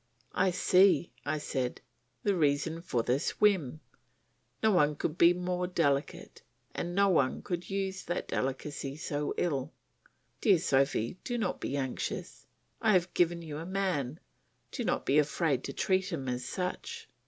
"I see," said I, "the reason for this whim. No one could be more delicate, and no one could use that delicacy so ill. Dear Sophy, do not be anxious, I have given you a man; do not be afraid to treat him as such.